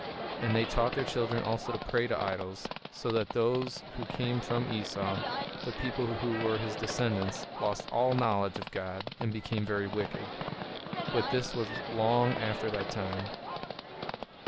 And they taught their children also to pray to idols; so that those who came from Esau, the people who were his descendants, lost all knowledge of God, and became very wicked. But this was long after that time.